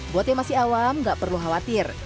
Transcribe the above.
buat yang masih awam gak perlu khawatir